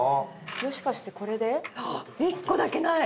もしかしてこれで？あっ１個だけない！